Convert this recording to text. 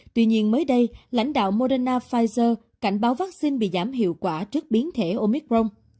tuy nhiên mới đây lãnh đạo moderna pfizer cảnh báo vaccine bị giảm hiệu quả trước biến thể omicron